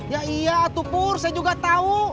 ya iya tupur saya juga tahu